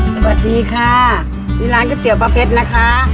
สวัสดีค่ะมีร้านก๋วเตี๋ยป้าเพชรนะคะ